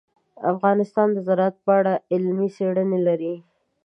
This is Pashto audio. افغانستان د زراعت په اړه علمي څېړنې لري.